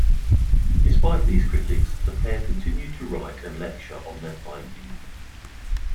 Despite these critics the pair continued to write and lecture on their findings.